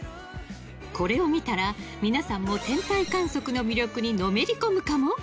これを見たら、皆さんも天体観測の魅力にのめり込むかも？